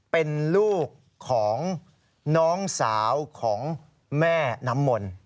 เป็นลูกของน้องสาวของแม่น้ำมนต์